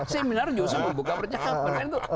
seminar juga sama buka percakapan